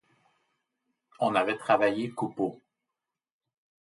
On avait travaillé Coupeau.